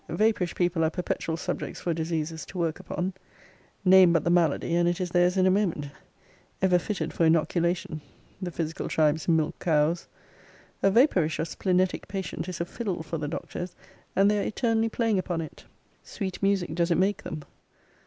Vapourish people are perpetual subjects for diseases to work upon. Name but the malady, and it is theirs in a moment. Ever fitted for inoculation. The physical tribe's milch cows. A vapourish or splenetic patient is a fiddle for the doctors; and they are eternally playing upon it. Sweet music does it make them.